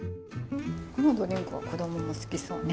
このドリンクは子どもも好きそうね。